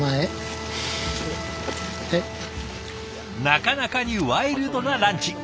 なかなかにワイルドなランチ。